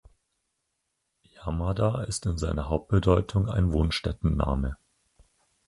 Yamada ist in seiner Hauptbedeutung ein Wohnstättenname.